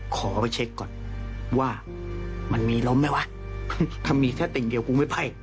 ขอไปเช็คก่อนว่ามันมีล้มไหมวะถ้ามีแค่ติ่งเดียวกูไม่ไพ่